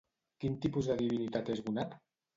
Quin tipus de divinitat és Gunab?